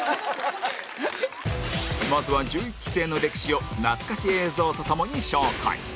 まずは１１期生の歴史を懐かし映像とともに紹介